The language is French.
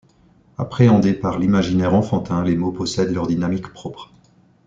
Appréhendés par l'imaginaire enfantin, les mots possèdent leur dynamique propre.